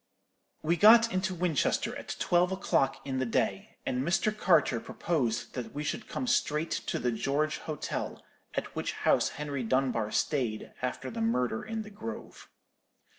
"We got into Winchester at twelve o'clock in the day; and Mr. Carter proposed that we should come straight to the George Hotel, at which house Henry Dunbar stayed after the murder in the grove.